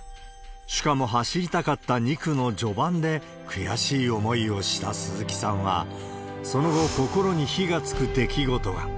しかも、走りたかった２区の序盤で悔しい思いをした鈴木さんは、その後、心に火がつく出来事が。